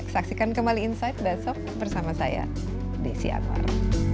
saksikan kembali insight besok bersama saya desi anwar